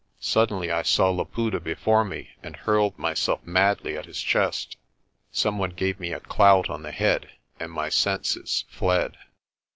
Suddenly I saw Laputa before me, and hurled myself madly at his chest. Some one gave me a clout on the head and my senses fled.